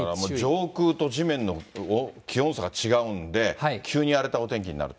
上空と地面の気温差が違うんで、急に荒れたお天気になると。